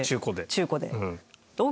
中古で。